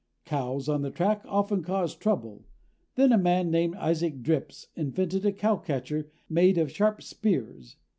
Cows on the track often caused trouble. Then a man named Isaac Dripps invented a cowcatcher made of sharp spears.